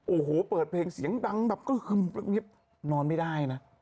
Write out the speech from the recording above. โอ้โหเปิดเพลงเสียงดังแบบก็คือนอนไม่ได้นะ